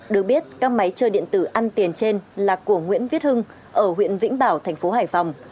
được biết các máy chơi điện tử ăn tiền trên là của nguyễn viết hưng ở huyện vĩnh bảo thành phố hải phòng